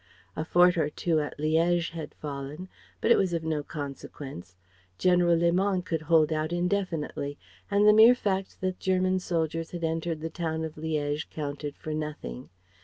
A fort or two at Liége had fallen, but it was of no consequence. General Léman could hold out indefinitely, and the mere fact that German soldiers had entered the town of Liége counted for nothing.